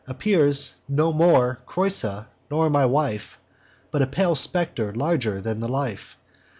Appears, no more Creusa, nor my wife, But a pale spectre, larger than the life.